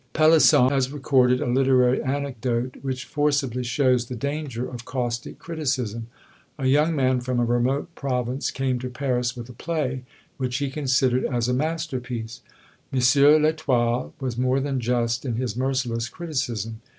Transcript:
Pelisson has recorded a literary anecdote, which forcibly shows the danger of caustic criticism. A young man from a remote province came to Paris with a play, which he considered as a masterpiece. M. L'Etoile was more than just in his merciless criticism.